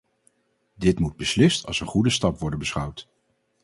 Dit moet beslist als een goede stap worden beschouwd.